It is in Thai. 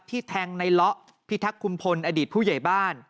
แทงในเลาะพิทักษุมพลอดีตผู้ใหญ่บ้าน